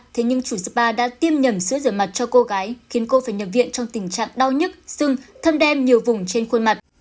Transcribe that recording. thế nhưng chủ spa đã tiêm nhầm sữa rửa mặt cho cô gái khiến cô phải nhập viện trong tình trạng đau nhức sưng thâm đem nhiều vùng trên khuôn mặt